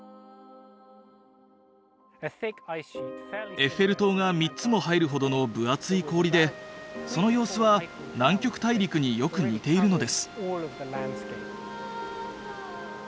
エッフェル塔が３つも入るほどの分厚い氷でその様子は南極大陸によく似ているのです。